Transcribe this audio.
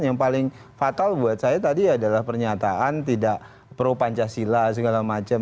yang paling fatal buat saya tadi adalah pernyataan tidak pro pancasila segala macam